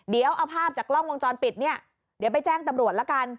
เดี๋ยวเอาภาพจากกล้องวงจรปิดเนี่ยเดี๋ยวไปแจ้งตำรวจละกัน